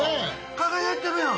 輝いてるやん。